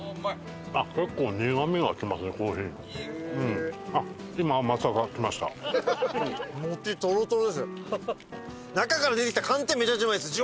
あっ結構中から出てきた寒天めちゃめちゃうまいです